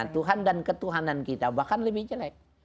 tuhan dan ketuhanan kita bahkan lebih jelek